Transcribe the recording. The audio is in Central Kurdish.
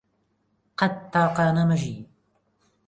قەت تاقانە مەژی